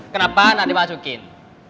kenapa nggak dimasukin